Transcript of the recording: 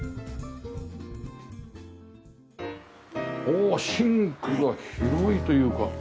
おおシンクが広いというか。